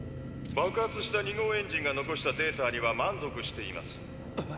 「爆発した２号エンジンが残したデータには満足しています。